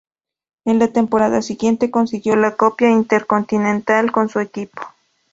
En la temporada siguiente consiguió la Copa Intercontinental con su equipo.